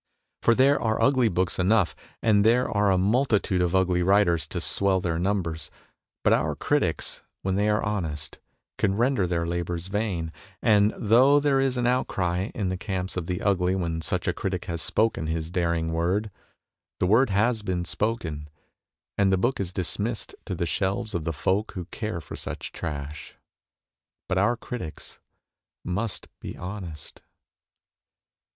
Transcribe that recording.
For there are ugly books enough, and there are a multitude of ugly writers to swell their numbers, but our critics, when they are honest, can render their labours vain ; and though there is an 24 MONOLOGUES outcry in the camps of the ugly when such a critic has spoken his daring word, the word has been spoken, and the book is dismissed to the shelves of the folk who care for such trash. But our critics must be honest.